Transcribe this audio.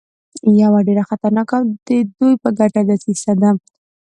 یوه ډېره خطرناکه او د دوی په ګټه دسیسه ده.